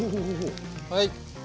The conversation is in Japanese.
はい。